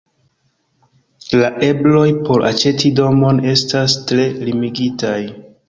La ebloj por aĉeti domon estas tre limigitaj.